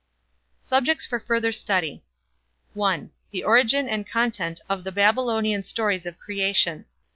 Subjects for Further Study. (1) The Origin and Content of the Babylonian Stories of Creation.